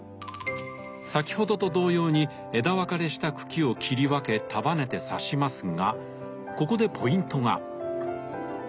先ほどと同様に枝分かれした茎を切り分け束ねて挿しますがここでポイントが。